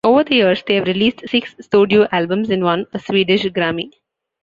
Over the years they have released six studio albums and won a Swedish Grammy.